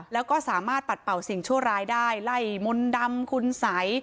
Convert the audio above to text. แล้วก็สามารถปัดเป่าสิ่งชั่วร้ายได้ไล่มนต์ดำคุณสัย